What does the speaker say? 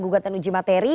bugatan uji materi